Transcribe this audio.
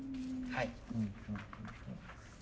はい。